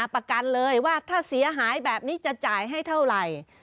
ประกันเลยว่าถ้าเสียหายแบบนี้จะจ่ายให้เท่าไหร่